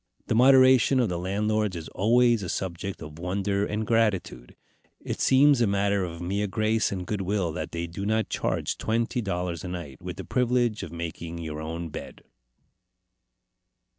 The moderation of the landlords is always a subject of wonder and gratitude. It seems a matter of mere grace and good will that they do not charge twenty dollars a night, with the privilege of making your own bed.